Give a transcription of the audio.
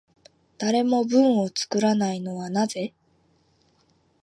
誰も文を作らないのはなぜ？